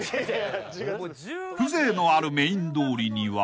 ［風情のあるメイン通りには］